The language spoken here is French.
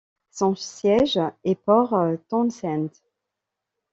Son siège est Port Townsend.